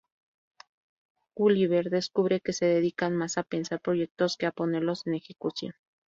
Gulliver descubre que se dedican más a pensar proyectos que a ponerlos en ejecución.